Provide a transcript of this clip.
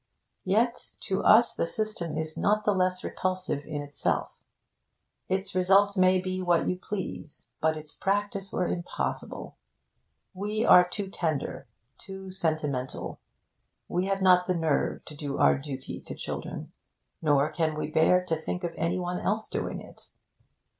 Yet to us the system is not the less repulsive in itself. Its results may be what you please, but its practice were impossible. We are too tender, too sentimental. We have not the nerve to do our duty to children, nor can we bear to think of any one else doing it.